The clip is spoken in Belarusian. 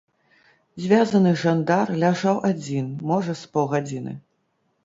Звязаны жандар ляжаў адзін, можа, з паўгадзіны.